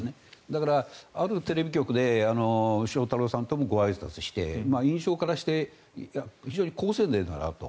だからあるテレビ局で翔太郎さんともごあいさつして印象からして非常に好青年だなと。